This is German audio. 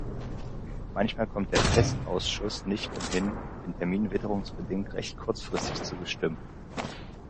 Manchmal kommt der Festausschuss nicht umhin, den Termin witterungsbedingt recht kurzfristig zu bestimmen.